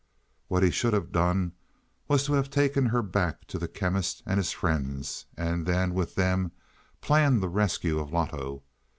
What he should have done was to have taken her back to the Chemist and his friends, and then with them planned the rescue of Loto.